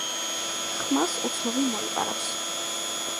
ხმალს უცნობი მოიპარავს.